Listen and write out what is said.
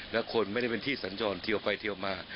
และคนไม่ได้เป็นที่สัญจรเทียวไปเทียวมา